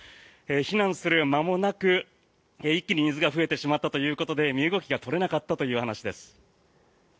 避難する間もなく、一気に水が増えてしまったということで身動きが取れなかったという話です。